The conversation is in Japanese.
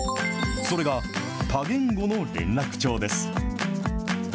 それが、多言語の連絡帳です。